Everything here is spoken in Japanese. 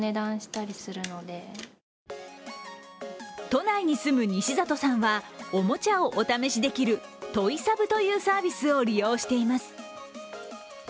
都内に住む西里さんはおもちゃをお試しできるトイサブ！というサービスを利用しています。